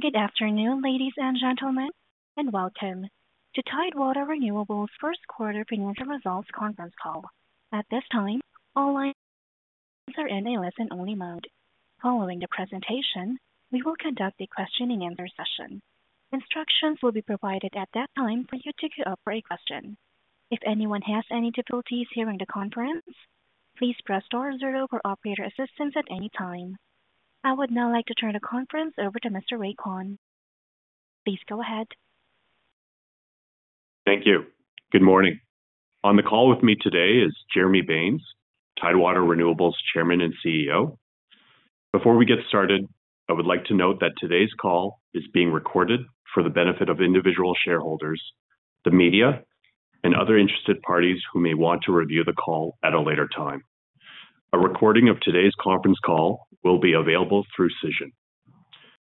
Good afternoon, ladies and gentlemen, and welcome to Tidewater Renewables' first quarter financial results conference call. At this time, all lines are in a listen-only mode. Following the presentation, we will conduct a questioning and answer session. Instructions will be provided at that time for you to queue up for a question. If anyone has any difficulties hearing the conference, please press star zero for operator assistance at any time. I would now like to turn the conference over to Mr. Ray Kwan. Please go ahead. Thank you. Good morning. On the call with me today is Jeremy Baines, Tidewater Renewables Chairman and CEO. Before we get started, I would like to note that today's call is being recorded for the benefit of individual shareholders, the media, and other interested parties who may want to review the call at a later time. A recording of today's conference call will be available through Cision.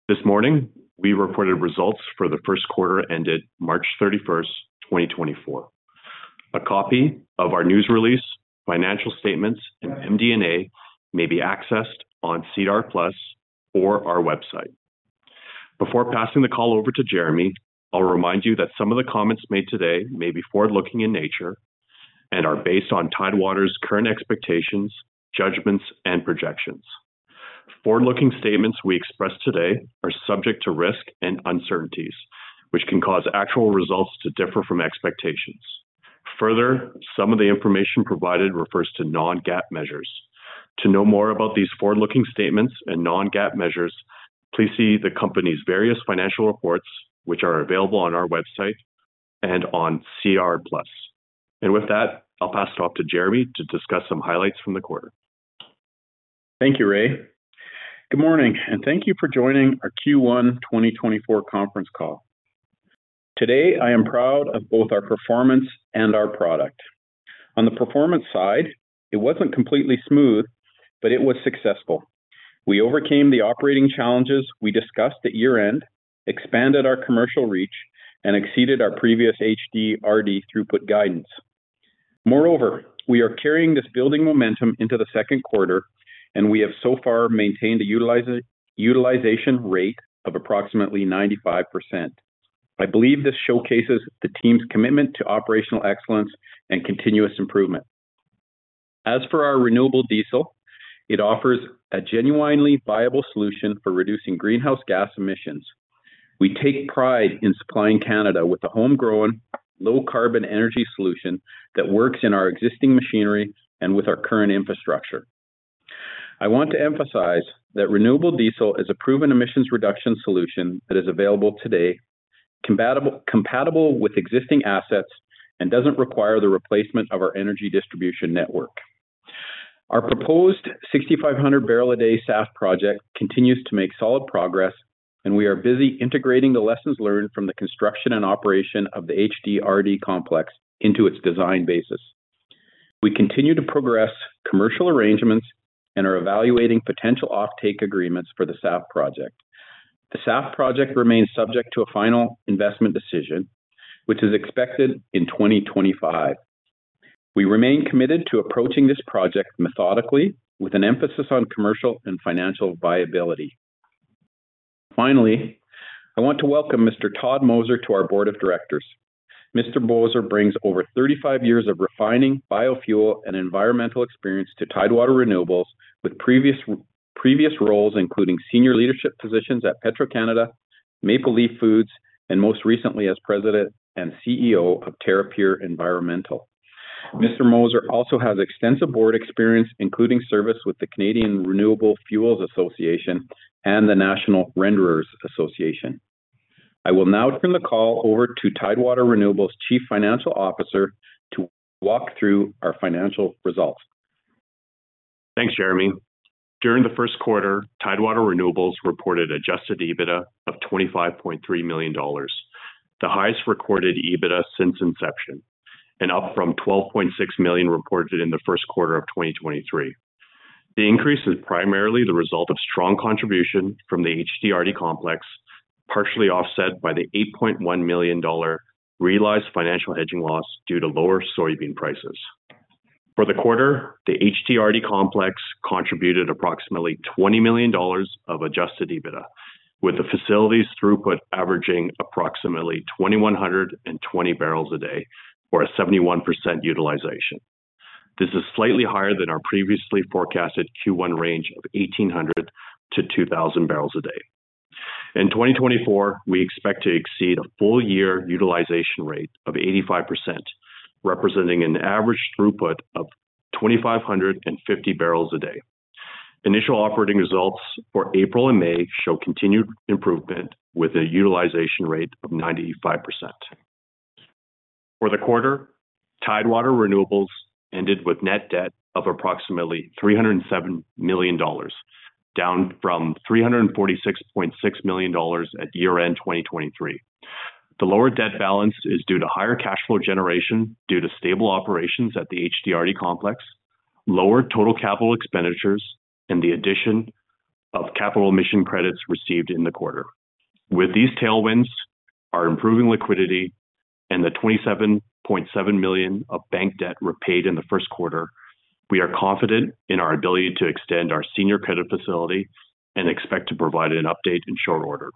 This morning, we reported results for the first quarter ended March 31, 2024. A copy of our news release, financial statements, and MD&A may be accessed on SEDAR+ or our website. Before passing the call over to Jeremy, I'll remind you that some of the comments made today may be forward-looking in nature and are based on Tidewater's current expectations, judgments, and projections. Forward-looking statements we express today are subject to risk and uncertainties, which can cause actual results to differ from expectations. Further, some of the information provided refers to non-GAAP measures. To know more about these forward-looking statements and non-GAAP measures, please see the company's various financial reports, which are available on our website and on SEDAR+. With that, I'll pass it off to Jeremy to discuss some highlights from the quarter. Thank you, Ray. Good morning, and thank you for joining our Q1 2024 conference call. Today, I am proud of both our performance and our product. On the performance side, it wasn't completely smooth, but it was successful. We overcame the operating challenges we discussed at year-end, expanded our commercial reach, and exceeded our previous HDRD throughput guidance. Moreover, we are carrying this building momentum into the second quarter, and we have so far maintained a utilization rate of approximately 95%. I believe this showcases the team's commitment to operational excellence and continuous improvement. As for our renewable diesel, it offers a genuinely viable solution for reducing greenhouse gas emissions. We take pride in supplying Canada with a homegrown, low-carbon energy solution that works in our existing machinery and with our current infrastructure. I want to emphasize that renewable diesel is a proven emissions reduction solution that is available today, compatible with existing assets, and doesn't require the replacement of our energy distribution network. Our proposed 6,500 barrel a day SAF project continues to make solid progress, and we are busy integrating the lessons learned from the construction and operation of the HDRD complex into its design basis. We continue to progress commercial arrangements and are evaluating potential offtake agreements for the SAF project. The SAF project remains subject to a final investment decision, which is expected in 2025. We remain committed to approaching this project methodically, with an emphasis on commercial and financial viability. Finally, I want to welcome Mr. Todd Moser to our board of directors. Mr. Moser brings over 35 years of refining, biofuel, and environmental experience to Tidewater Renewables, with previous roles including senior leadership positions at Petro-Canada, Maple Leaf Foods, and most recently as President and CEO of Terrapure Environmental. Mr. Moser also has extensive board experience, including service with the Canadian Renewable Fuels Association and the National Renderers Association. I will now turn the call over to Tidewater Renewables' Chief Financial Officer to walk through our financial results. Thanks, Jeremy. During the first quarter, Tidewater Renewables reported Adjusted EBITDA of 25.3 million dollars, the highest recorded EBITDA since inception and up from 12.6 million reported in the first quarter of 2023. The increase is primarily the result of strong contribution from the HDRD complex, partially offset by the 8.1 million dollar realized financial hedging loss due to lower soybean prices. For the quarter, the HDRD complex contributed approximately 20 million dollars of Adjusted EBITDA, with the facility's throughput averaging approximately 2,120 barrels a day, or a 71% utilization. This is slightly higher than our previously forecasted Q1 range of 1,800-2,000 barrels a day. In 2024, we expect to exceed a full year utilization rate of 85%, representing an average throughput of 2,550 barrels a day. Initial operating results for April and May show continued improvement, with a utilization rate of 95%. For the quarter, Tidewater Renewables ended with net debt of approximately 307 million dollars, down from 346.6 million dollars at year-end 2023. The lower debt balance is due to higher cash flow generation due to stable operations at the HDRD complex, lower total capital expenditures, and the addition of capital emission credits received in the quarter. With these tailwinds, our improving liquidity and the 27.7 million of bank debt repaid in the first quarter, we are confident in our ability to extend our senior credit facility and expect to provide an update in short order.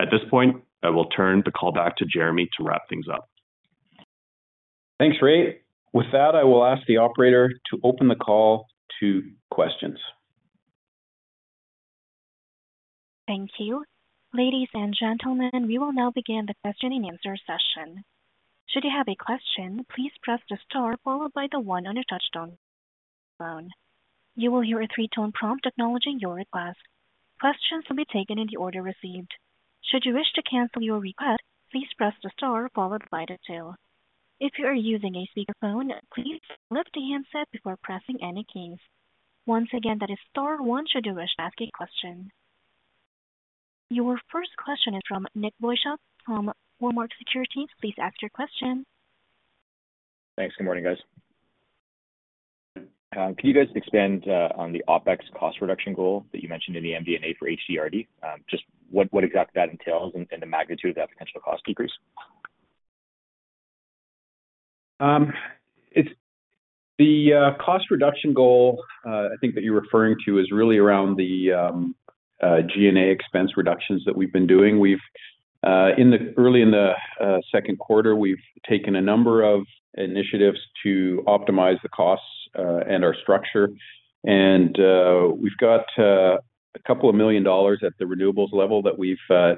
At this point, I will turn the call back to Jeremy to wrap things up. Thanks, Ray. With that, I will ask the operator to open the call to questions. Thank you. Ladies and gentlemen, we will now begin the question and answer session. Should you have a question, please press the star followed by the one on your touchtone phone. You will hear a three-tone prompt acknowledging your request. Questions will be taken in the order received. Should you wish to cancel your request, please press the star followed by the two. If you are using a speakerphone, please lift the handset before pressing any keys. Once again, that is star one should you wish to ask a question. Your first question is from Nick Boychuk from Cormark Securities. Please ask your question. Thanks. Good morning, guys. Can you guys expand on the OpEx cost reduction goal that you mentioned in the MD&A for HDRD? Just what exactly that entails and the magnitude of that potential cost decrease? It's the cost reduction goal I think that you're referring to is really around the G&A expense reductions that we've been doing. We've early in the second quarter we've taken a number of initiatives to optimize the costs and our structure. And we've got a couple of million CAD at the renewables level that we've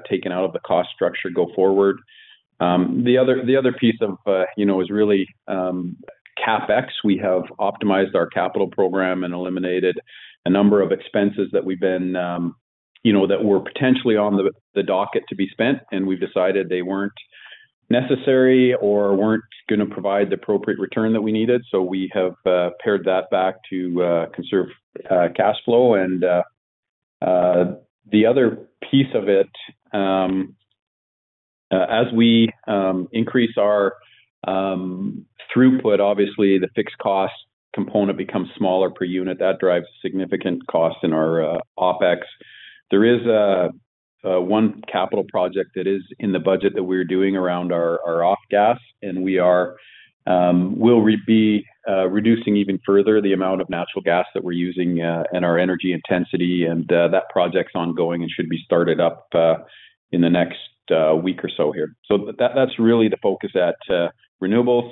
taken out of the cost structure go forward. The other piece of you know is really CapEx. We have optimized our capital program and eliminated a number of expenses that we've been you know that were potentially on the docket to be spent, and we've decided they weren't necessary or weren't gonna provide the appropriate return that we needed. So we have pared that back to conserve cash flow. The other piece of it, as we increase our throughput, obviously the fixed cost component becomes smaller per unit. That drives significant costs in our OpEx. There is one capital project that is in the budget that we're doing around our off-gas, and we are. We'll be reducing even further the amount of natural gas that we're using, and our energy intensity, and that project's ongoing and should be started up in the next week or so here. So that, that's really the focus at renewables.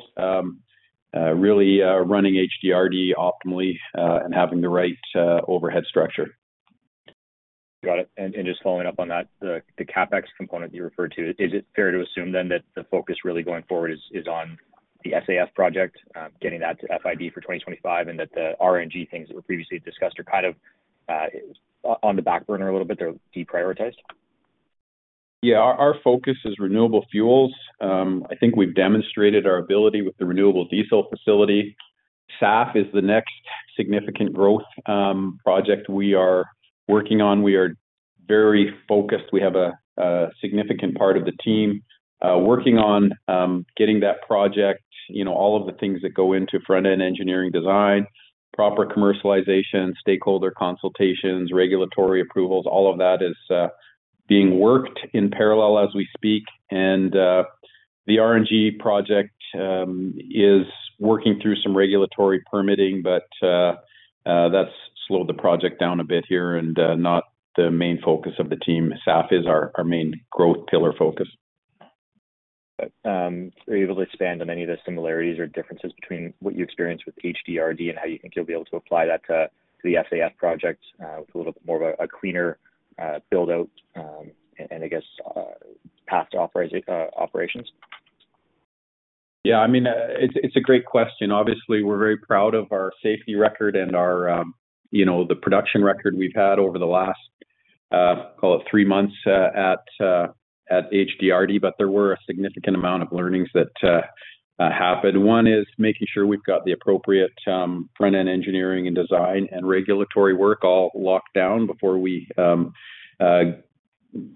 Really running HDRD optimally and having the right overhead structure. Got it. And, and just following up on that, the, the CapEx component you referred to, is it fair to assume then that the focus really going forward is, is on the SAF project, getting that to FID for 2025, and that the RNG things that were previously discussed are kind of, on the back burner a little bit, they're deprioritized? Yeah. Our focus is renewable fuels. I think we've demonstrated our ability with the renewable diesel facility. SAF is the next significant growth project we are working on. We are very focused. We have a significant part of the team working on getting that project, you know, all of the things that go into front-end engineering design, proper commercialization, stakeholder consultations, regulatory approvals, all of that is being worked in parallel as we speak. And the RNG project is working through some regulatory permitting, but that's slowed the project down a bit here and not the main focus of the team. SAF is our main growth pillar focus. Are you able to expand on any of the similarities or differences between what you experienced with HDRD and how you think you'll be able to apply that to the SAF project, with a little bit more of a cleaner build-out, and I guess, path to operations? Yeah, I mean, it's, it's a great question. Obviously, we're very proud of our safety record and our, you know, the production record we've had over the last, call it three months, at, at HDRD, but there were a significant amount of learnings that happened. One is making sure we've got the appropriate, front-end engineering and design and regulatory work all locked down before we,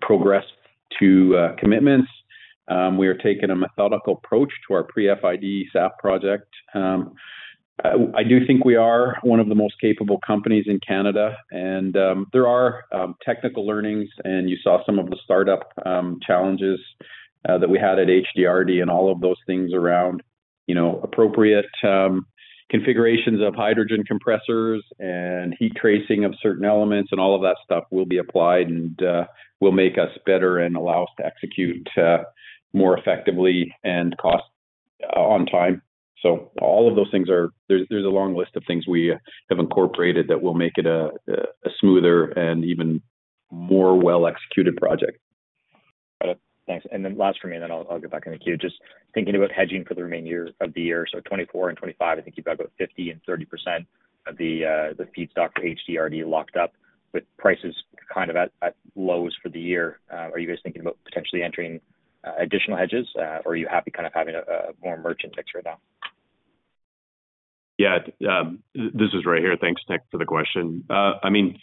progress to, commitments. We are taking a methodical approach to our pre-FID SAF project. I do think we are one of the most capable companies in Canada, and there are technical learnings, and you saw some of the startup challenges that we had at HDRD, and all of those things around, you know, appropriate configurations of hydrogen compressors and heat tracing of certain elements, and all of that stuff will be applied and will make us better and allow us to execute more effectively and cost on time. So all of those things are. There's a long list of things we have incorporated that will make it a smoother and even more well-executed project. Got it. Thanks. And then last for me, and then I'll get back in the queue. Just thinking about hedging for the remaining year of the year. So 2024 and 2025, I think you've got about 50% and 30% of the feedstock for HDRD locked up, with prices kind of at lows for the year. Are you guys thinking about potentially entering additional hedges, or are you happy kind of having a more merchant mix right now? Yeah. This is Ray here. Thanks, Nick, for the question. I mean,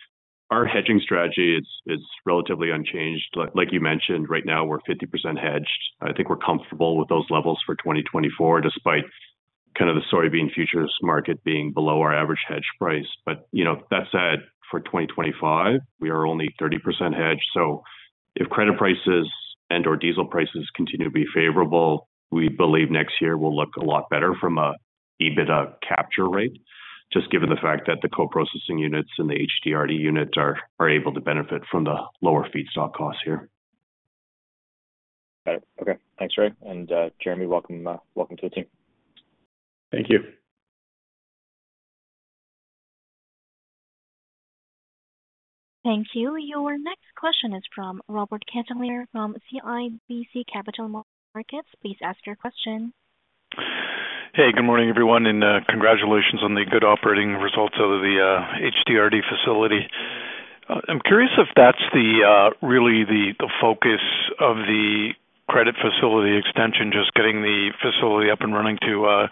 our hedging strategy is relatively unchanged. Like you mentioned, right now we're 50% hedged. I think we're comfortable with those levels for 2024, despite kind of the soybean futures market being below our average hedge price. But, you know, that said, for 2025, we are only 30% hedged. So if credit prices and or diesel prices continue to be favorable, we believe next year will look a lot better from a EBITDA capture rate, just given the fact that the co-processing units and the HDRD units are able to benefit from the lower feedstock costs here. Got it. Okay. Thanks, Ray. And, Jeremy, welcome, welcome to the team. Thank you. Thank you. Your next question is from Robert Catellier, from CIBC Capital Markets. Please ask your question. Hey, good morning, everyone, and congratulations on the good operating results of the HDRD facility. I'm curious if that's really the focus of the credit facility extension, just getting the facility up and running to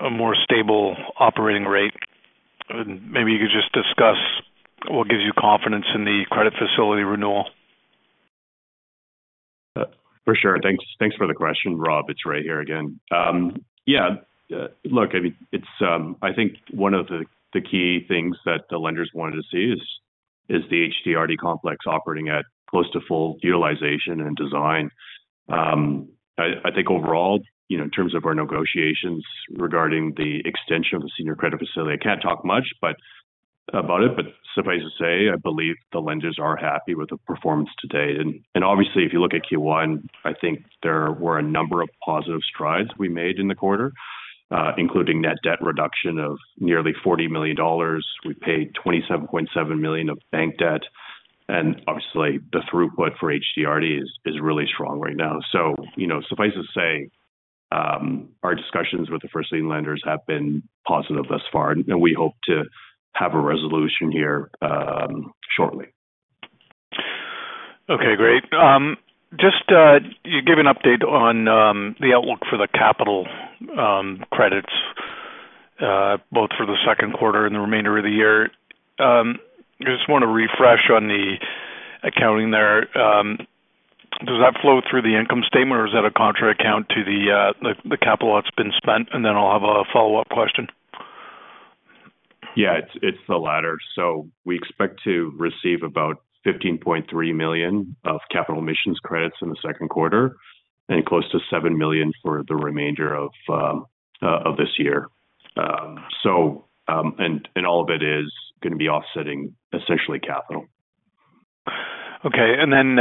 a more stable operating rate. Maybe you could just discuss what gives you confidence in the credit facility renewal. For sure. Thanks. Thanks for the question, Rob. It's Ray here again. Yeah, look, I mean, it's, I think one of the key things that the lenders wanted to see is the HDRD complex operating at close to full utilization and design. I think overall, you know, in terms of our negotiations regarding the extension of the senior credit facility, I can't talk much, but about it, but suffice to say, I believe the lenders are happy with the performance today. And obviously, if you look at Q1, I think there were a number of positive strides we made in the quarter, including net debt reduction of nearly 40 million dollars. We paid 27.7 million of bank debt, and obviously, the throughput for HDRD is really strong right now. You know, suffice to say, our discussions with the first lien lenders have been positive thus far, and we hope to have a resolution here, shortly. Okay, great. Just, you gave an update on the outlook for the capital credits, both for the second quarter and the remainder of the year. I just want to refresh on the accounting there. Does that flow through the income statement, or is that a contra account to the capital that's been spent? And then I'll have a follow-up question. Yeah, it's the latter. So we expect to receive about 15.3 million of capital emissions credits in the second quarter, and close to 7 million for the remainder of this year. So, and all of it is gonna be offsetting, essentially capital. Okay. And then,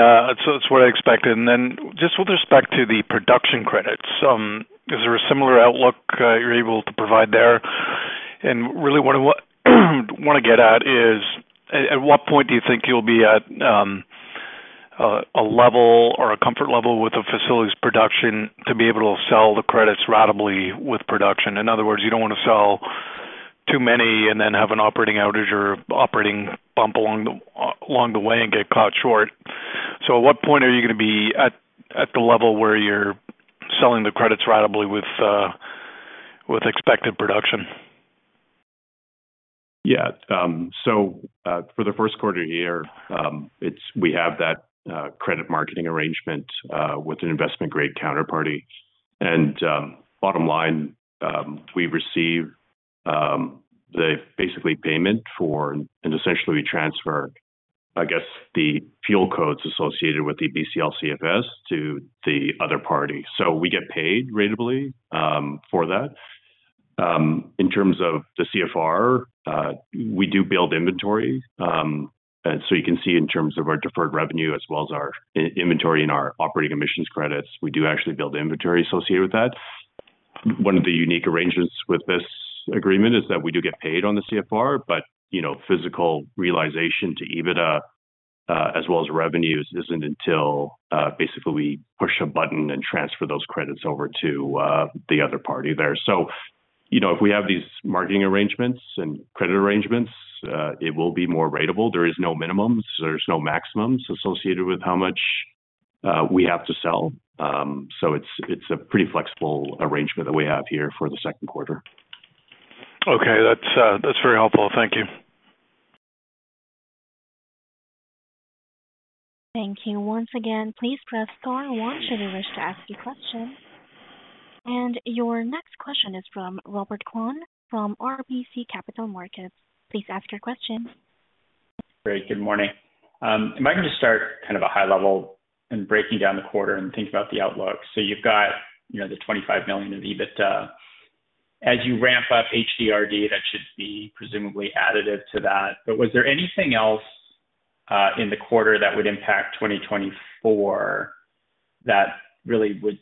so that's what I expected. And then just with respect to the production credits, is there a similar outlook you're able to provide there? And really, what I want to get at is, at what point do you think you'll be at, a level or a comfort level with the facilities production to be able to sell the credits ratably with production? In other words, you don't want to sell too many and then have an operating outage or operating bump along the way and get caught short. So at what point are you gonna be at, the level where you're selling the credits ratably with expected production? Yeah. So, for the first quarter year, it's—we have that, credit marketing arrangement, with an investment-grade counterparty. And, bottom line, we receive, the basically payment for... and essentially we transfer, I guess, the fuel codes associated with the BCLCFS to the other party. So we get paid ratably, for that. In terms of the CFR, we do build inventory. And so you can see in terms of our deferred revenue as well as our inventory and our operating emissions credits, we do actually build the inventory associated with that. One of the unique arrangements with this agreement is that we do get paid on the CFR, but, you know, physical realization to EBITDA, as well as revenues, isn't until, basically we push a button and transfer those credits over to, the other party there. You know, if we have these marketing arrangements and credit arrangements, it will be more ratable. There is no minimums, there's no maximums associated with how much we have to sell. So it's a pretty flexible arrangement that we have here for the second quarter. Okay. That's, that's very helpful. Thank you. Thank you. Once again, please press star one should you wish to ask a question. And your next question is from Robert Kwan, from RBC Capital Markets. Please ask your question. Great. Good morning. Am I going to start kind of a high level in breaking down the quarter and think about the outlook? So you've got, you know, the 25 million in EBITDA. As you ramp up HDRD, that should be presumably additive to that. But was there anything else, in the quarter that would impact 2024, that really would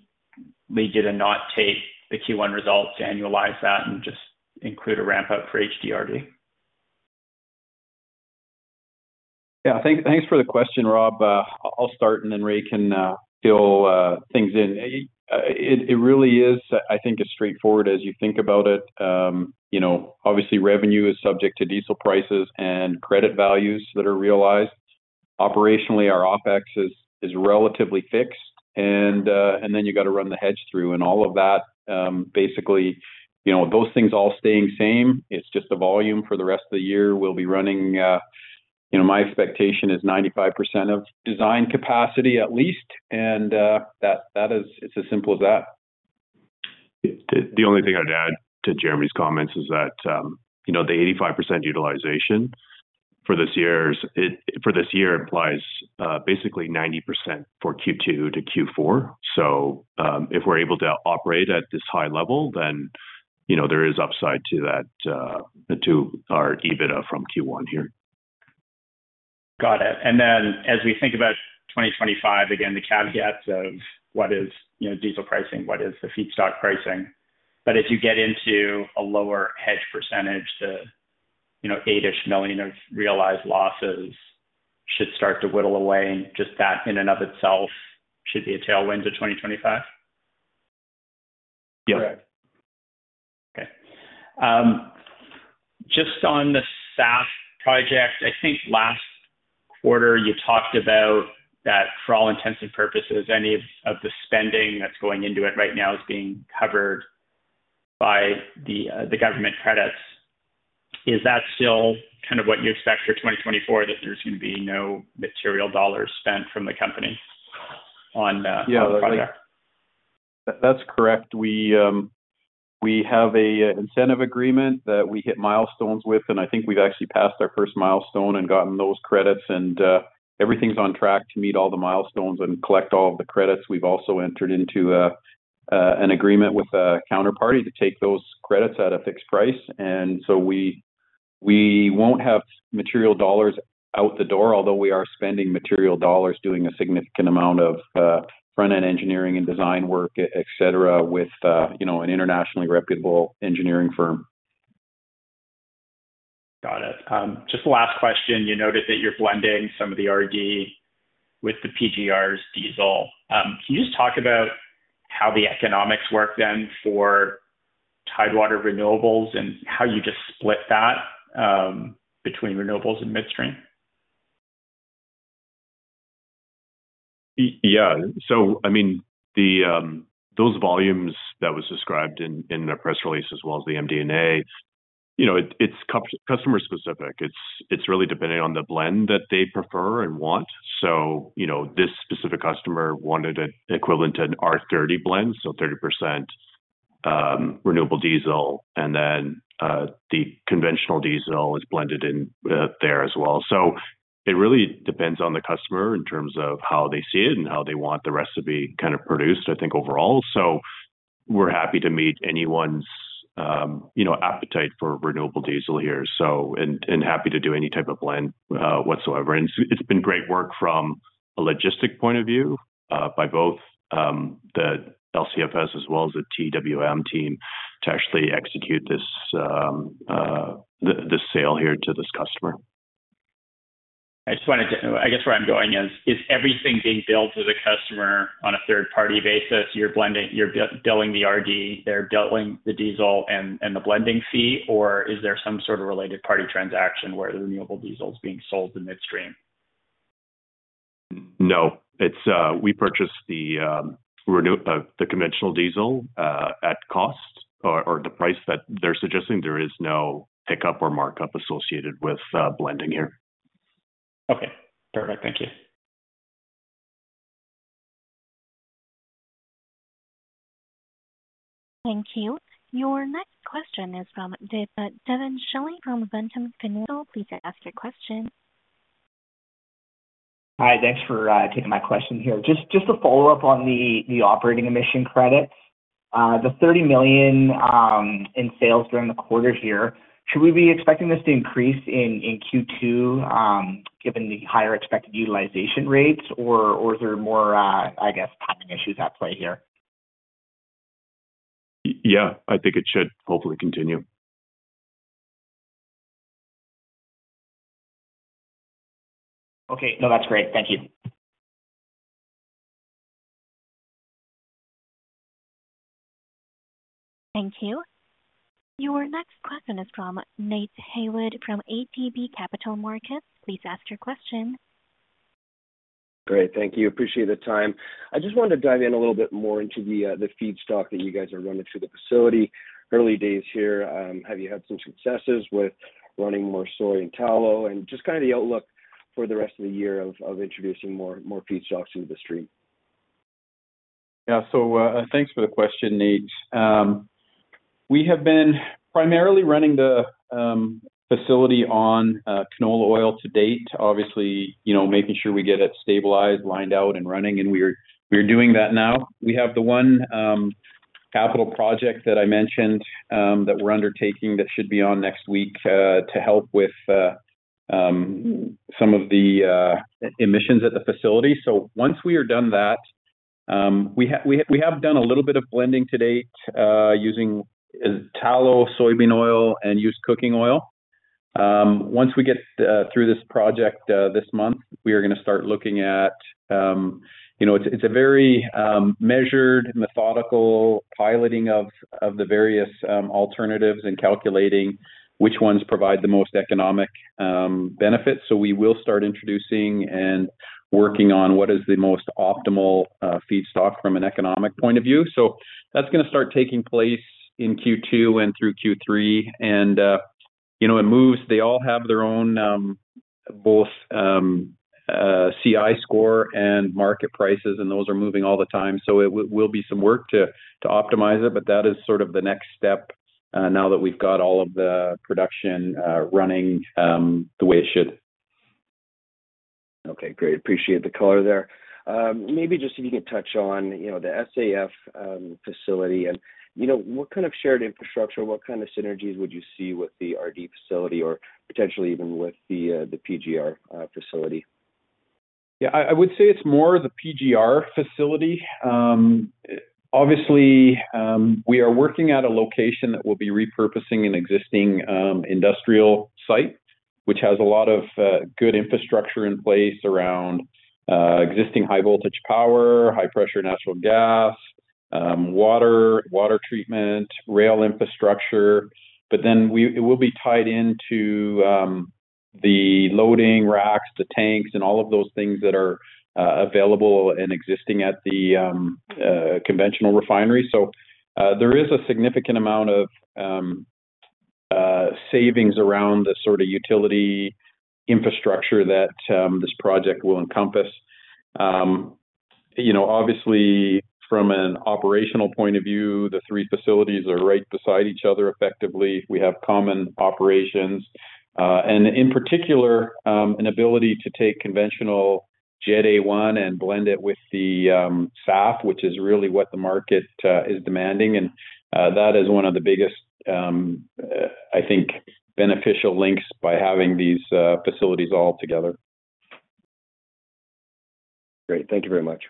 lead you to not take the Q1 results to annualize that and just include a ramp-up for HDRD? Yeah. Thanks for the question, Rob. I'll start, and then Ray can fill things in. It really is, I think, as straightforward as you think about it. You know, obviously revenue is subject to diesel prices and credit values that are realized. Operationally, our OpEx is relatively fixed, and then you got to run the hedge through and all of that. Basically, you know, those things all staying same, it's just the volume for the rest of the year. We'll be running... You know, my expectation is 95% of design capacity at least, and that is, it's as simple as that. The only thing I'd add to Jeremy's comments is that, you know, the 85% utilization for this year implies basically 90% for Q2 to Q4. So, if we're able to operate at this high level, then, you know, there is upside to that, to our EBITDA from Q1 here. Got it. And then as we think about 2025, again, the caveat of what is, you know, diesel pricing, what is the feedstock pricing? But if you get into a lower hedge percentage to, you know, 8-ish million of realized losses should start to whittle away, and just that in and of itself should be a tailwind to 2025? Yeah. Correct. Okay. Just on the SAF project, I think last quarter you talked about that for all intents and purposes, any of the spending that's going into it right now is being covered by the government credits. Is that still kind of what you expect for 2024, that there's going to be no material dollars spent from the company on the project? Yeah, that's correct. We, we have a incentive agreement that we hit milestones with, and I think we've actually passed our first milestone and gotten those credits. And, everything's on track to meet all the milestones and collect all of the credits. We've also entered into, an agreement with a counterparty to take those credits at a fixed price. And so we, we won't have material dollars out the door, although we are spending material dollars doing a significant amount of, front-end engineering and design work, et cetera, with, you know, an internationally reputable engineering firm. Got it. Just the last question. You noted that you're blending some of the RD with the PGR's diesel. Can you just talk about how the economics work then for Tidewater Renewables and how you just split that, between renewables and midstream? Yeah. So, I mean, those volumes that was described in the press release as well as the MD&A, you know, it, it's customer specific. It's really depending on the blend that they prefer and want. So, you know, this specific customer wanted an equivalent to an R30 blend, so 30% renewable diesel, and then the conventional diesel is blended in there as well. So it really depends on the customer in terms of how they see it and how they want the recipe kind of produced, I think overall. So we're happy to meet anyone's, you know, appetite for renewable diesel here, so... And happy to do any type of blend whatsoever. It's been great work from a logistics point of view by both the LCFS as well as the TWM team to actually execute this sale here to this customer. I just wanted to. I guess where I'm going is, is everything being billed to the customer on a third-party basis? You're blending, you're bi-billing the RD, they're billing the diesel and the blending fee, or is there some sort of related party transaction where the renewable diesel is being sold to midstream? No. It's we purchased the conventional diesel at cost or the price that they're suggesting. There is no pickup or markup associated with blending here. Okay. Perfect. Thank you. Thank you. Your next question is from Devin Schilling from Ventum Financial. Please ask your question. Hi, thanks for taking my question here. Just to follow up on the operating emission credits. The 30 million in sales during the quarter here, should we be expecting this to increase in Q2, given the higher expected utilization rates, or is there more, I guess, timing issues at play here? Yeah, I think it should hopefully continue. Okay. No, that's great. Thank you. Thank you. Your next question is from Nate Heywood from ATB Capital Markets. Please ask your question. Great, thank you. Appreciate the time. I just wanted to dive in a little bit more into the feedstock that you guys are running through the facility. Early days here, have you had some successes with running more soy and tallow? And just kind of the outlook for the rest of the year of introducing more feedstocks into the stream. Yeah. So, thanks for the question, Nate. We have been primarily running the facility on canola oil to date. Obviously, you know, making sure we get it stabilized, lined out, and running, and we're doing that now. We have the one capital project that I mentioned that we're undertaking that should be on next week to help with some of the emissions at the facility. So once we are done that, we have done a little bit of blending to date using tallow, soybean oil, and used cooking oil. Once we get through this project this month, we are gonna start looking at you know... It's a very measured, methodical piloting of the various alternatives and calculating which ones provide the most economic benefits. So we will start introducing and working on what is the most optimal feedstock from an economic point of view. So that's gonna start taking place in Q2 and through Q3, and, You know, it moves. They all have their own both CI score and market prices, and those are moving all the time. So it will be some work to optimize it, but that is sort of the next step now that we've got all of the production running the way it should. Okay, great. Appreciate the color there. Maybe just if you could touch on, you know, the SAF facility and, you know, what kind of shared infrastructure, what kind of synergies would you see with the RD facility or potentially even with the PGR facility? Yeah, I would say it's more the PGR facility. Obviously, we are working at a location that will be repurposing an existing industrial site, which has a lot of good infrastructure in place around existing high voltage power, high pressure natural gas, water, water treatment, rail infrastructure. But then it will be tied into the loading racks, the tanks, and all of those things that are available and existing at the conventional refinery. So, there is a significant amount of savings around the sort of utility infrastructure that this project will encompass. You know, obviously from an operational point of view, the three facilities are right beside each other effectively. We have common operations, and in particular, an ability to take conventional Jet A-1 and blend it with the SAF, which is really what the market is demanding. And, that is one of the biggest, I think, beneficial links by having these facilities all together. Great. Thank you very much.